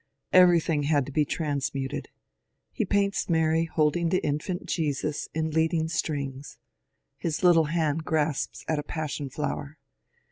Everything had to be transmuted. He paints Maiy holding the infant Jesus in leading strings ; his little hand grasps at a passion flower.